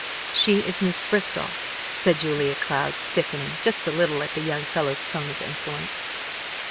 "She is Miss Bristol," said Julia Cloud, stiffening just a little at the young fellow's tone of insolence.